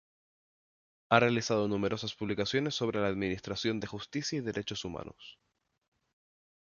Ha realizado numerosas publicaciones sobre la administración de justicia y derechos humanos.